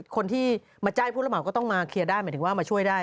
คนที่มาจ้างผู้ระเหมาก็ต้องมาเคลียร์ได้หมายถึงว่ามาช่วยได้